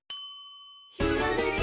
「ひらめき」